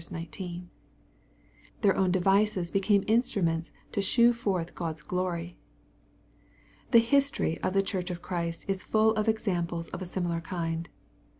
Their own devices became instruments to shew forth God's glory. The history of the Church of Christ is full of examples of a similar kind.